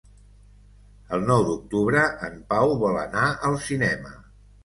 El nou d'octubre en Pau vol anar al cinema.